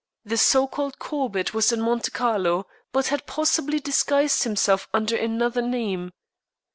The so called Corbett was in Monte Carlo, but had possibly disguised himself under another name.